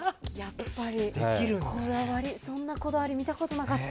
そんなこだわり見たことなかった。